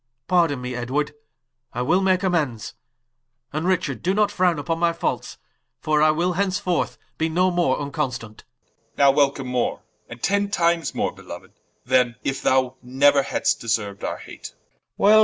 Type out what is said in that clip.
Pardon me Edward, I will make amends: And Richard, doe not frowne vpon my faults, For I will henceforth be no more vnconstant Edw. Now welcome more, and ten times more belou'd, Then if thou neuer hadst deseru'd our hate Rich.